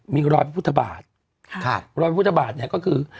มีะรอยภูตทบาทลอยภูตบาทเนี่ยก็คือ